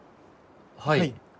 はい。